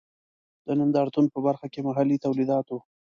د نندارتون په برخه کې محلي تولیدات و.